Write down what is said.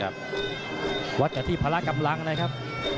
ประทะที่พระรับกำลังนะครับ